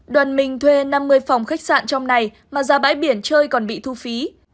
đoàn minh thuê năm mươi phòng khách sạn trong này mà ra bãi biển chơi còn bị thu phí